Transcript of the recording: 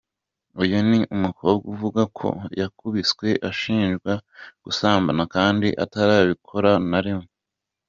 Uyu ni umukobwa uvuga ko yakubiswe ashinjwa gusambana kandi atarabikora na rimwe.